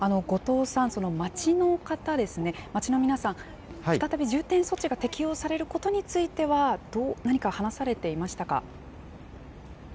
後藤さん、街の方ですね、街の皆さん、再び重点措置が適用されることについては、何か話されていましたか？